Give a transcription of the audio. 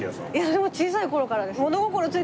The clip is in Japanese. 私も小さい頃からです。